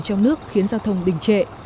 trong nước khiến giao thông đình trệ